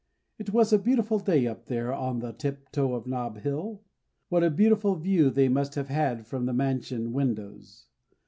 It was a beautiful day up there on the tip toe of Nob Hill. What a beautiful view they must have had from the mansion windows.